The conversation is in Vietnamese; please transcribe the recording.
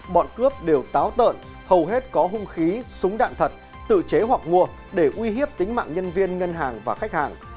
bọn cướp đều táo tợn hầu hết có hung khí súng đạn thật tự chế hoặc mua để uy hiếp tính mạng nhân viên ngân hàng và khách hàng